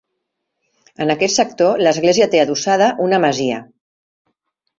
En aquest sector l'església té adossada una masia.